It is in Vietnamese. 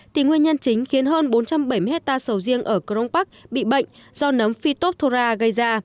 thì nguyên nhân chính khiến hơn bốn trăm bảy mươi hectare sầu riêng ở crong park bị bệnh do nấm phytophthora gây ra